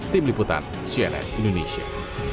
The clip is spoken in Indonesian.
tim liputan cnn indonesia